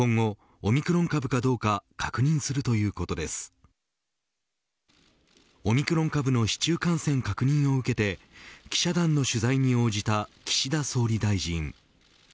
オミクロン株の市中感染確認を受けて記者団の取材に応じた岸田総理大臣。